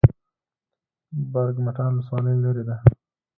برګ مټال ولسوالۍ لیرې ده؟